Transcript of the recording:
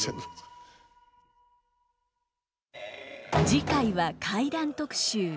次回は怪談特集。